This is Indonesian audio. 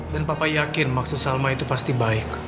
dan papa yakin maksud salma itu pasti baik